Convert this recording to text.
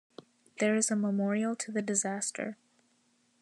There is a memorial to the disaster.